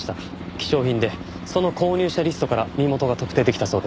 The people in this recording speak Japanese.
希少品でその購入者リストから身元が特定できたそうです。